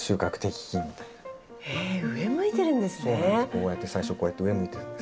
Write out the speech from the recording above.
こうやって最初こうやって上向いてるんです。